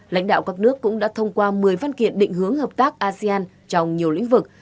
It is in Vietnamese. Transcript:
lãnh đạo các nước cũng đã thông qua một mươi văn kiện định hướng hợp tác asean trong nhiều lĩnh vực